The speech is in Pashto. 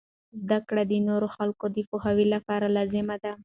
زده کړه د نورو خلکو د پوهاوي لپاره لازم دی.